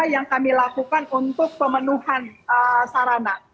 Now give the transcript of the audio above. yang kami lakukan untuk pemenuhan sarana